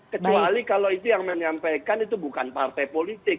kecuali kalau itu yang menyampaikan itu bukan partai politik